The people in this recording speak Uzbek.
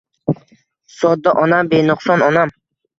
Sodda onam benuqson onam